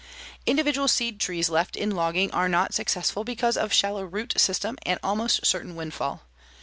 Individual seed trees left in logging are not successful because of shallow root system and almost certain windfall.